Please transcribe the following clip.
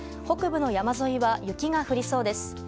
北部の山沿いは雪が降りそうです。